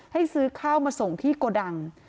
ให้ซื้อข้าวมาส่งที่โกดัง